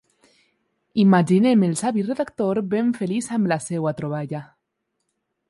Imaginem el savi redactor ben feliç amb la seva troballa.